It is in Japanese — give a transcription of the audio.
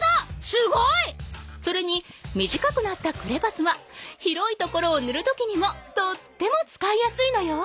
すごい！それに短くなったクレパスは広いところをぬるときにもとっても使いやすいのよ。